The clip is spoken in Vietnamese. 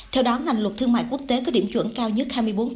theo đó ngành luật thương mại quốc tế có điểm chuẩn cao nhất hai mươi bốn